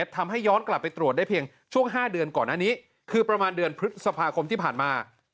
ย้อนกลับไปตรวจได้เพียงช่วง๕เดือนก่อนอันนี้คือประมาณเดือนพฤษภาคมที่ผ่านมา